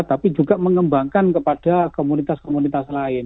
tapi juga mengembangkan kepada komunitas komunitas lain